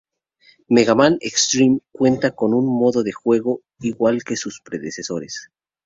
Mega Man Xtreme cuenta con un modo de juego igual que sus predecesores.